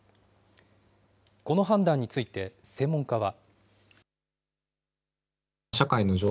この判断について、専門家は。